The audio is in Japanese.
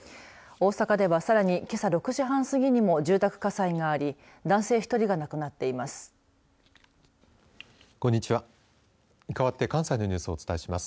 大阪では、さらにけさ６時半過ぎにも住宅火災があり男性１人が亡くなっています。